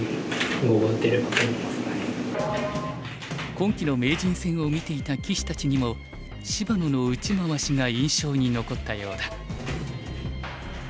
今期の名人戦を見ていた棋士たちにも芝野の打ち回しが印象に残ったようだ。